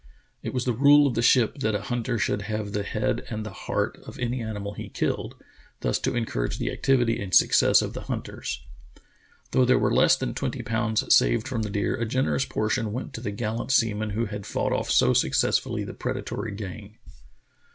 It was the rule of the ship that a hunter should have the head and the heart of any animal he killed, thus to encourage the activity and success of the hunters. Though there were less than twenty pounds saved from the deer, a generous portion went to the gallant seaman who had fought off so successful!}' the predatory gang.